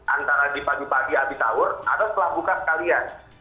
antara di pagi pagi abis tawur atau setelah buka sekalian